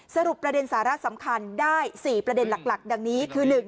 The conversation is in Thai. สรุปประเด็นสาระสำคัญได้๔ประเด็นหลักดังนี้คือ